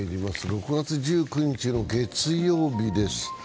６月１９日の月曜日です。